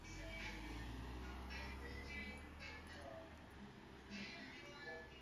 kiongozi wa ukooKazi nyingine muhimu sana ya Washenga wakisaidiana na viherehere ni kukutana